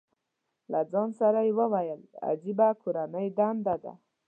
له ځان سره یې وویل، عجیبه کورنۍ دنده ده.